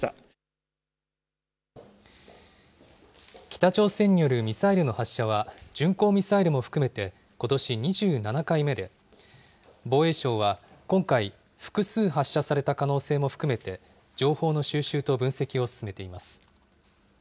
北朝鮮によるミサイルの発射は、巡航ミサイルも含めてことし２７回目で、防衛省は、今回、複数発射された可能性も含めて、情報の収集と分析を進めています。